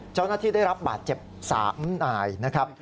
เจ้าหน้าที่ได้รับบาดเจ็บ๓หน่ายนะครับ